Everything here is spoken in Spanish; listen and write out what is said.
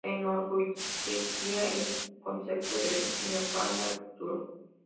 Se enorgullecía del concepto de diseño para el futuro.